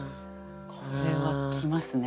これは来ますね。